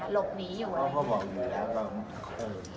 หลบหนีอยู่ไหน